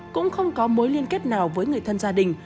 cũng không có mối liên kết nào với người thân gia đình